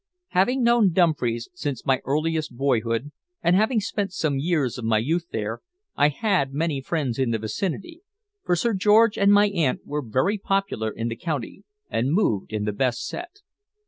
Having known Dumfries since my earliest boyhood, and having spent some years of my youth there, I had many friends in the vicinity, for Sir George and my aunt were very popular in the county and moved in the best set.